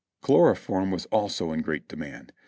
Chloroform was also in great demand.